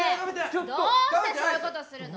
どうしてそういうことするの！